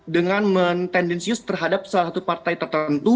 dengan men tendensius terhadap salah satu partai tertentu